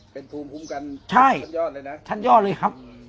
เป็นภูมิคุ้มกันท่านยอดเลยนะใช่ท่านยอดเลยครับ